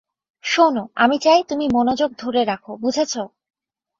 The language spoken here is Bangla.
শোনো আমি চাই তুমি মনযোগ ধরে রাখো বুঝেছো?